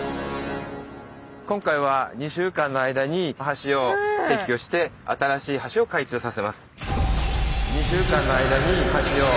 今回は２週間の間に橋を撤去して新しい橋を開通させます。